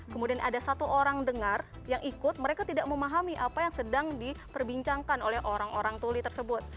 kemudian ada satu orang dengar yang ikut mereka tidak memahami apa yang sedang diperbincangkan oleh orang orang tuli tersebut